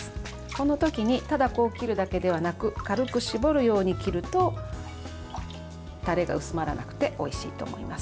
この時にただ、こう切るだけではなく軽く絞るように切るとタレが薄まらなくておいしいと思います。